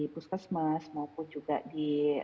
puskesmas maupun juga di